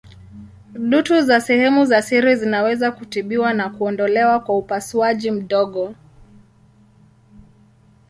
Dutu za sehemu za siri zinaweza kutibiwa na kuondolewa kwa upasuaji mdogo.